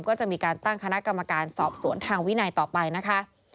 ก็จะมีการตั้งคณะกรรมการสอบสวนทางวินัยต่อไปนะคะ